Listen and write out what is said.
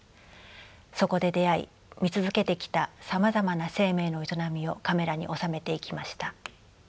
そこで出会い見続けてきたさまざまな生命の営みをカメラに収めていきました。